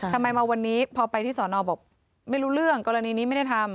ทำไมมาวันนี้พอไปที่สอนอบอกไม่รู้เรื่องกรณีนี้ไม่ได้ทำ